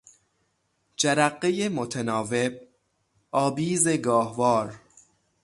جرقهی متناوب، آبیز گاهوار